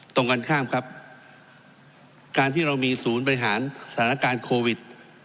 ตรงกันข้ามครับการที่เรามีศูนย์บริหารสถานการณ์โควิด